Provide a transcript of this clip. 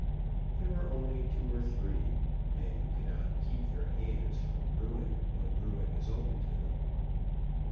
There were only two or three, men who cannot keep their hands from ruin when ruin is open to them.